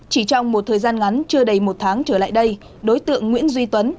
chỉ trong một thời gian ngắn chưa đầy một tháng trở lại đây đối tượng nguyễn duy tuấn